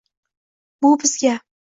bu bizga